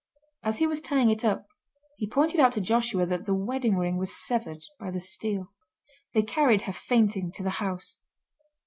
As he was tying it up he pointed out to Joshua that the wedding ring was severed by the steel. They carried her fainting to the house.